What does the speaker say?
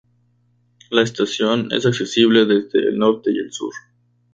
La estación es accesible desde el norte y el sur.